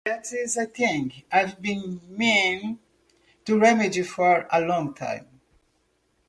That's a thing I've been meaning to remedy for a long time.